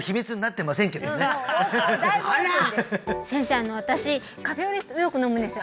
先生あの私カフェオレよく飲むんですよ